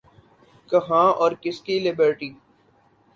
کہاں اور کس کی لبرٹی؟